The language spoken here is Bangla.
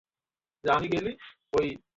ওরকম কেন করছেন?